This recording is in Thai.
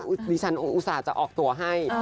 อุตส่าห์จะออกตัวให้